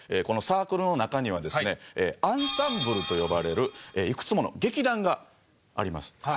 このサークルの中にはですねアンサンブルと呼ばれるいくつもの劇団があります。